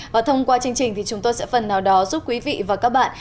và thông qua chương trình thì chúng tôi sẽ phần nào đó giúp quý vị và các bạn